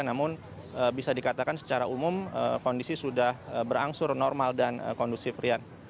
namun bisa dikatakan secara umum kondisi sudah berangsur normal dan kondusif rian